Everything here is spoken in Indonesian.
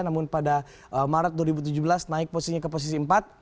namun pada maret dua ribu tujuh belas naik posisinya ke posisi empat